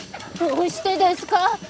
どうしてですか？